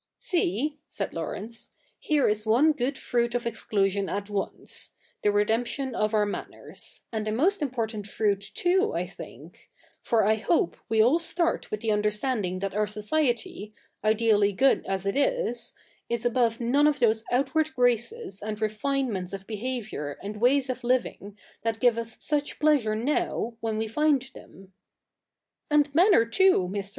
CH. i] THE NEW REPUBLIC 121 'See,' said Laurence, 'here is one good fruit of exclusion at once — the redemption of our manners : and a most important fruit too, I think ; for I hope we all start with the understanding that our society, ideally good as it is, is above none of those outward graces and refinements of behaviour and ways of living that give us such pleasure now, when we find them.' 'And manner too. Mr.